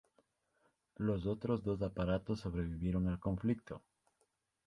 Los otros dos aparatos sobrevivieron al conflicto.